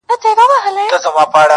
• سیاه پوسي ده، ستا غمِستان دی.